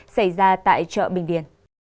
xảy ra tại chợ bình điển